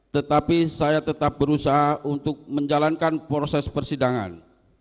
tetapi saya tetap berusaha untuk menjalankan proses persidangan